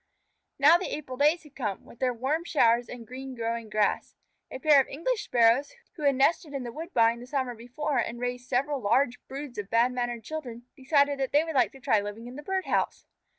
Now the April days had come, with their warm showers and green growing grass. A pair of English Sparrows, who had nested in the woodbine the summer before and raised several large broods of bad mannered children, decided that they would like to try living in the bird house.